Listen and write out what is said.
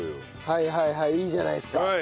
はいはいはいいいじゃないですか。